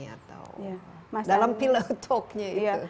atau dalam pilotoknya itu